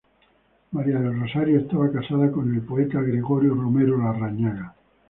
María del Rosario estaba casada con el poeta Gregorio Romero Larrañaga.